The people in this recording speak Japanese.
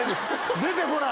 出てこない。